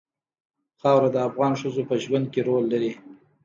خاوره د افغان ښځو په ژوند کې رول لري.